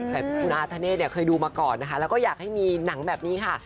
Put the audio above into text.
แต่คุณอาธเนธเนี่ยเคยดูมาก่อนนะคะแล้วก็อยากให้มีหนังแบบนี้ค่ะ